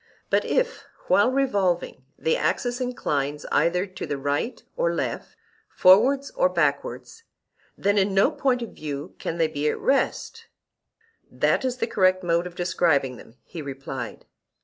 But if, while revolving, the axis inclines either to the right or left, forwards or backwards, then in no point of view can they be at rest. That is the correct mode of describing them, he replied.